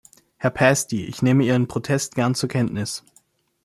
Herr Pasty, ich nehme Ihren Protest gern zur Kenntnis.